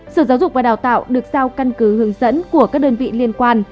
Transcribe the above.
sở giáo dục và đào tạo được giao căn cứ hướng dẫn của các đơn vị liên quan